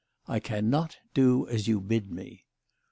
" I cannot do as you bid me."